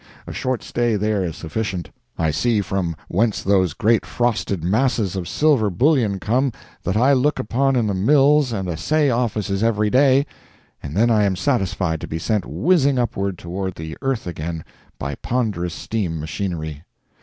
A short stay there is sufficient. I see from whence those great frosted masses of silver bullion come that I look upon in the mills and assay offices every day, and then I am satisfied to be sent whizzing upward toward the earth again by ponderous steam machinery.